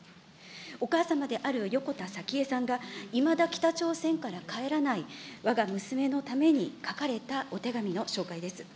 お母様である横田早紀江さんが、いまだ北朝鮮から帰らないわが娘のために書かれたお手紙の紹介です。